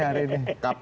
menarik menarik mas